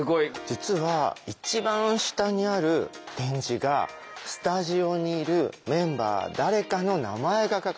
実は一番下にある点字がスタジオにいるメンバー誰かの名前が書かれているんです。